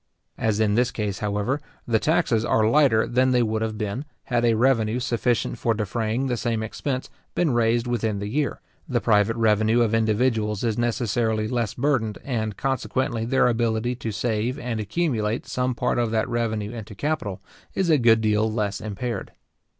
As in this case, however, the taxes are lighter than they would have been, had a revenue sufficient for defraying the same expense been raised within the year; the private revenue of individuals is necessarily less burdened, and consequently their ability to save and accumulate some part of that revenue into capital, is a good deal less impaired.